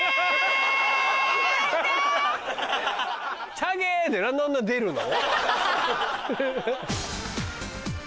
「チャゲ」で何であんな出るの？